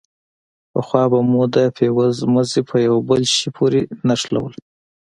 پخوا به مو د فيوز مزي په يوه بل شي پورې نښلول.